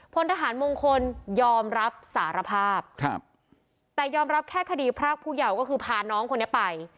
พลทหารมงคลยอมรับสารภาพครับแต่ยอมรับแค่คดีพรากผู้เยาว์ก็คือพาน้องคนนี้ไป